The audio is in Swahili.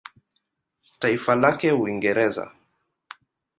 Taifa lake Uingereza.